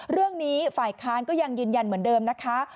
เรื่องนี้ฝ่ายค้านก็ยังยืนยันเหมือนเดิมนะคะ